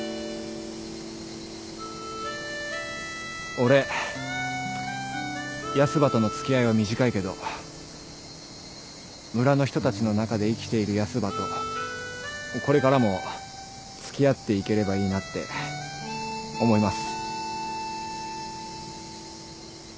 俺ヤスばとの付き合いは短いけど村の人たちの中で生きているヤスばとこれからも付き合っていければいいなって思います。